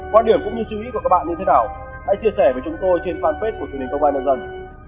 quan điểm cũng như suy nghĩ của các bạn như thế nào hãy chia sẻ với chúng tôi trên fanpage của truyền hình công an nhân dân